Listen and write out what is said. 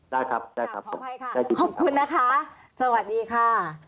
บ๊าบบได้ครับท่านคุณสวัสดีค่ะ